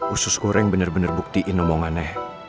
usus goreng bener bener buktiin omongannya